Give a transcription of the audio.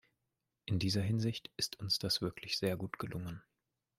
In dieser Hinsicht ist uns das wirklich sehr gut gelungen.